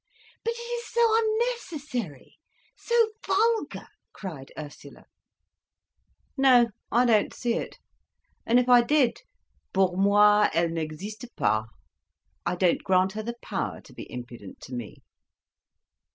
"But it is so unnecessary—so vulgar," cried Ursula. "No, I don't see it. And if I did—pour moi, elle n'existe pas. I don't grant her the power to be impudent to me."